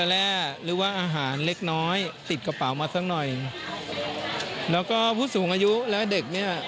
แล้วก็ผู้สูงอายุและเด็กเนี่ย